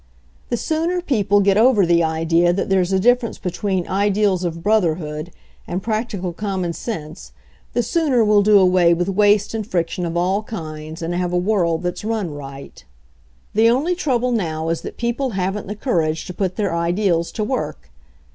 "The sooner people get over the idea that there's a difference between ideals of brotherhood and practical common sense the sooner we'll do 74 EIGHT HOURS 75 away with waste and friction of all kinds and have a world that's run right. The only trouble now is that people haven't the courage to put their ideals to work.